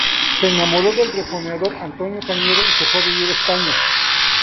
Se enamoró del rejoneador Antonio Cañero y se fue a vivir a España.